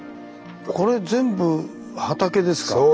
これ全部畑ですか。